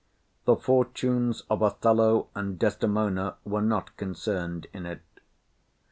The fortunes of Othello and Desdemona were not concerned in it.